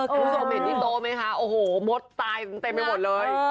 คุณผู้ชมเห็นที่โต๊ะไหมคะโอ้โหมดตายเต็มไปหมดเลย